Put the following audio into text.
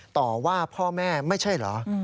ต่อว่าพ่อแม่ไม่ใช่เหรอ